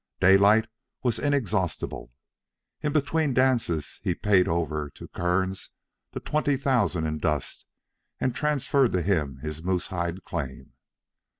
Daylight was inexhaustible. In between dances he paid over to Kearns the twenty thousand in dust and transferred to him his Moosehide claim.